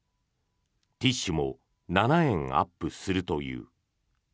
ティッシュも７円アップするという。